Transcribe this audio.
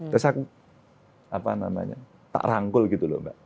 terus aku tak rangkul gitu loh mbak